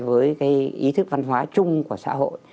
với cái ý thức văn hóa chung của xã hội